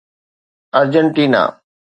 Argentina